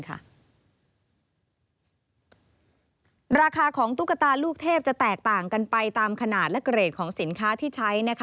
ราคาของตุ๊กตาลูกเทพจะแตกต่างกันไปตามขนาดและเกรดของสินค้าที่ใช้